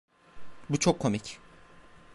Bu çok komik.